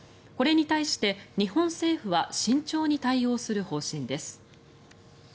これに対して日本政府は慎重に対応する方針です。